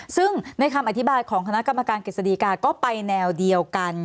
ซึ่งในคำอธิบายของคณะกรรมการกฤษฎีกาก็ไปแนวเดียวกัน